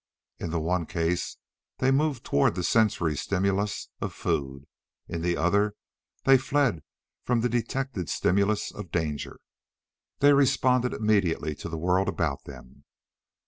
In the one case they moved toward the sensory stimulus of food; in the other they fled from the detected stimulus of danger. They responded immediately to the world about them.